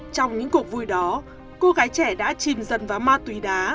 trong những cuộc vui đó cô gái trẻ đã chìm dần vào ma túy đá